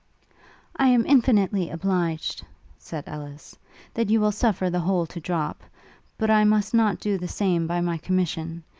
'I am infinitely obliged,' said Ellis, 'that you will suffer the whole to drop; but I must not do the same by my commission!